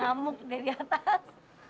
ngamuk dari atas